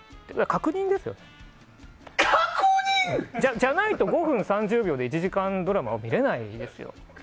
確認？じゃないと５分３０秒で１時間ドラマを見れないですよ。